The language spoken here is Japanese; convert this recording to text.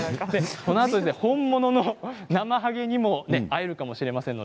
このあと本物のなまはげに会えるかもしれません。